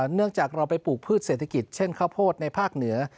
เนื่องจากเราไปปลูกพืชเศรษฐกิจเช่นข้าวโพดในภาคเหนือ